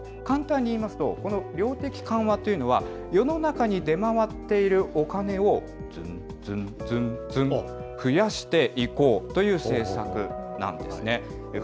簡単に言いますと、この量的緩和というのは、世の中に出回っているお金を、ずんずんずん、増やしていこうという政策なんですね。